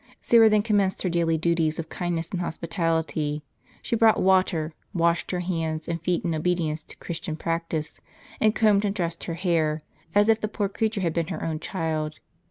Syra then commenced her daily duties of kindness and hospitality; she brought water, washed her hands and feet in obedience to Christian d4f® practice, and combed and dressed her hair, as if the poor creature had been her own child.